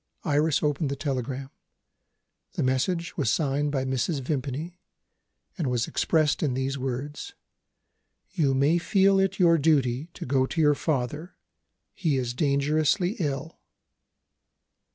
Iris opened the telegram. The message was signed by Mrs. Vimpany, and was expressed in these words: "You may feel it your duty to go to your father. He is dangerously ill."